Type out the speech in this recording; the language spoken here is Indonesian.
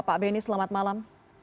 pak benny selamat malam